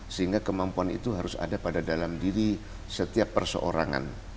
sehingga kemampuan itu harus ada pada dalam diri setiap perseorangan